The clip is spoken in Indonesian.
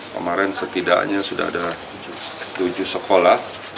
kemarin setidaknya sudah ada tujuh sekolah